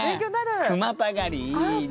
句またがりいいね。